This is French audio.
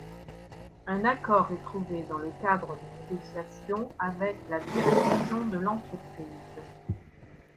Un accord est trouvé dans le cadre des négociations avec la direction de l’entreprise.